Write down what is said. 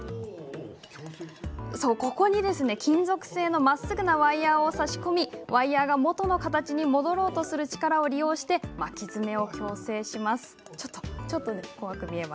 ここに金属製のまっすぐなワイヤーを差し込みワイヤーが元の形に戻ろうとする力を利用して巻き爪を矯正します。